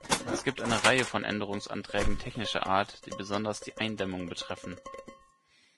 Es gibt eine Reihe von Änderungsanträgen technischer Art, die besonders die Eindämmung betreffen.